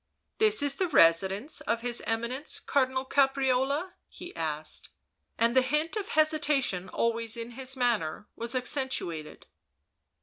" This is the residence of his Eminence Cardinal Caprarola 1 " he asked, and the hint of hesitation always in his manner was accentuated.